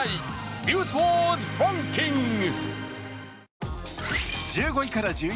「ニュースワードランキング」。